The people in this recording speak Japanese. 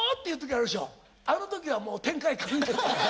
あの時はもう展開考えてる。